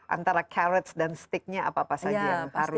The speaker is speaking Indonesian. antara carrots dan sticknya apa apa saja yang harus